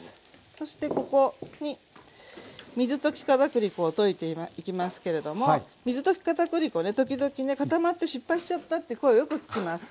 そしてここに水溶きかたくり粉を溶いていきますけれども水溶きかたくり粉ね時々ね固まって失敗しちゃったって声をよく聞きます。